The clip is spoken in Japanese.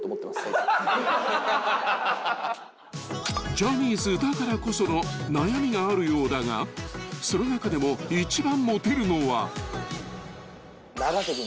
［ジャニーズだからこその悩みがあるようだがその中でも］うわ！